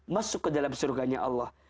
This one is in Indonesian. masuk ke dalam surganya allah